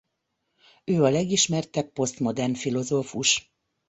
Ő a legismertebb posztmodern filozófus.